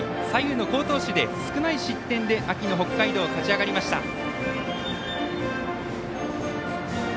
左右の好投手で少ない失点で秋の北海道を勝ち上がりました。